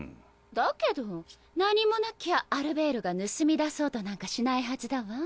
だけど何もなきゃアルベールが盗み出そうとなんかしないはずだわ。